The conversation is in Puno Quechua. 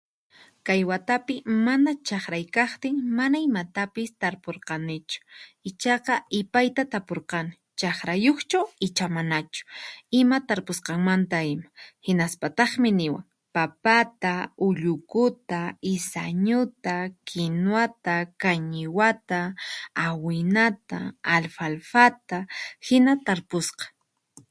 Kay watapi mana chaqray kaqtin, mana imatapis tarpurqanichu, ichaqa ipayta tapurqani chaqrayuqchu icha manachu ima tarpusqanmanta ima, hinaspataqmi niwan papata, ullukuta, isañuta, kinwata, qañiwata, awinata, alfalfata hina tarpusqa.